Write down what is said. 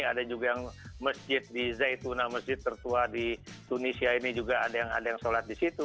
ada juga yang masjid di zai tuna masjid tertua di tunisia ini juga ada yang sholat di situ